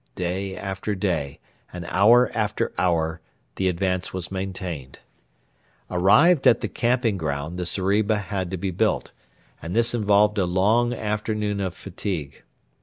Day after day and hour after hour the advance was maintained. Arrived at the camping ground, the zeriba had to be built; and this involved a long afternoon of fatigue.